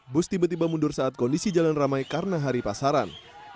bus tiba tiba mundur saat kondisi jalan ramai karena hari pasaran